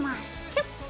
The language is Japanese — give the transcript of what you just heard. キュッと。